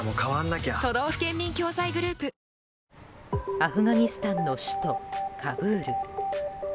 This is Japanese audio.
アフガニスタンの首都カブール。